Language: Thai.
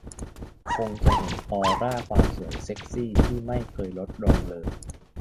คงจะเห็นออร่าความสวยเซ็กซี่ที่ไม่เคยลดลงเลย